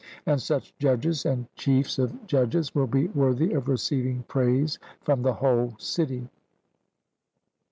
And such judges and chiefs of judges will be worthy of receiving praise from the whole city.